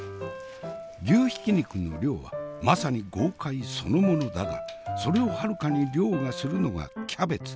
牛ひき肉の量はまさに豪快そのものだがそれをはるかに凌駕するのがキャベツ。